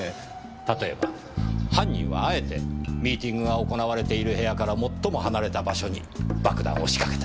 例えば犯人はあえてミーティングが行われている部屋から最も離れた場所に爆弾を仕掛けた。